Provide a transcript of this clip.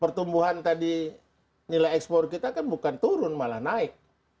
pertumbuhan tadi nilai ekspor kita kan bukan turun malah naik